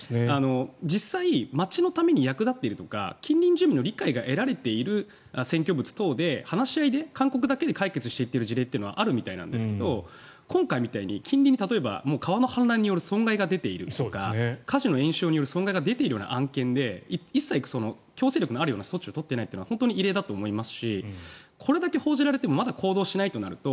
実際町のために役立っているとか近隣住民の理解が得られている占拠物などで話し合いで、勧告だけで解決していっている事例はあるみたいなんですが今回みたいに近隣に川の氾濫による損害が出ているとか火事の延焼による損害が出ているような案件で強制力があるような措置を取っていないのは異例だと思いますしこれだけ報じられてもまだ行動しないとなると